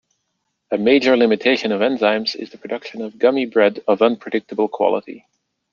A major limitation of enzymes is the production of gummy bread of unpredictable quality.